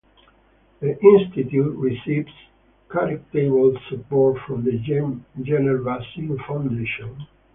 The institute receives charitable support from the Jenner Vaccine Foundation.